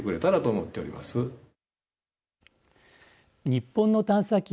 日本の探査機